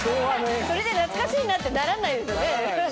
それで懐かしいなってならないですよね。